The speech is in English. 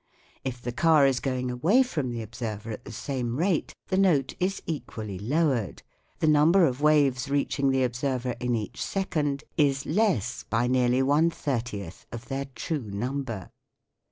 If the car is going away from the observer at the same rate, the note is equally lowered ; the number of waves reaching the observer in each second is less by nearly one thirtieth of their true number.